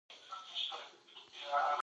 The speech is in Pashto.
آیا د خوب کمښت د کولمو روغتیا اغېزمنوي؟